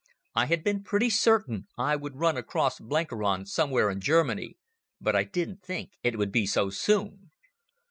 I had been pretty certain I would run across Blenkiron somewhere in Germany, but I didn't think it would be so soon.